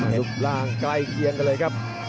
รูปร่างใกล้เคียงกันเลยครับ